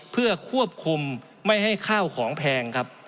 เพื่อควบคุมไม่ให้ข้าวของแพงครับ